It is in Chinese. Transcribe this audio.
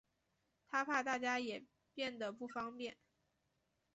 她怕大家也变得不方便